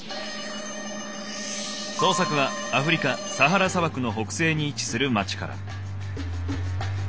捜索はアフリカサハラ砂漠の北西に位置する町から。